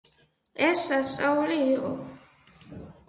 ეს სასწაული იყო!